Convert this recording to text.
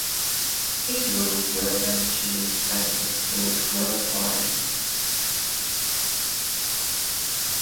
These rules were eventually to govern the sport worldwide.